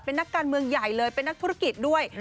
เป็นนักการเมืองใหญ่เลยเป็นนักธุรกิจด้วย